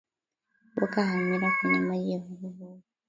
weka hamira kwenye maji ya uvuguvugu